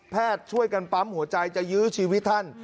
ช่วยกันปั๊มหัวใจจะยื้อชีวิตท่าน